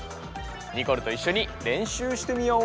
ニコルといっしょに練習してみよう！